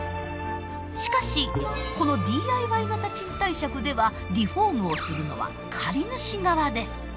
しかしこのＤＩＹ型賃貸借ではリフォームをするのは借り主側です。